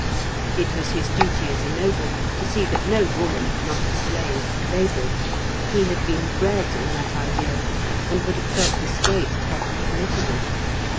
It was his duty as a noble to see than no woman, not a slave, laboured; he had been bred in that idea, and would have felt disgraced had he permitted it.